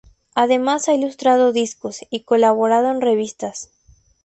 Además ha ilustrado discos, y colaborado en revistas.